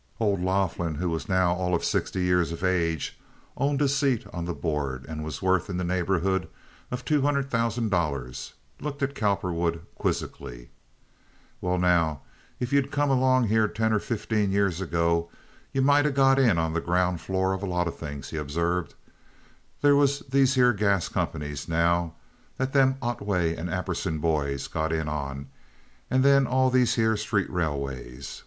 Old Laughlin, who was now all of sixty years of age, owned a seat on the Board, and was worth in the neighborhood of two hundred thousand dollars, looked at Cowperwood quizzically. "Well, now, if you'd 'a' come along here ten or fifteen years ago you might 'a' got in on the ground floor of a lot of things," he observed. "There was these here gas companies, now, that them Otway and Apperson boys got in on, and then all these here street railways.